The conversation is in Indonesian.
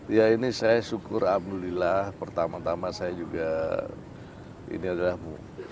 ya ini saya syukur alhamdulillah pertama tama saya juga ini adalah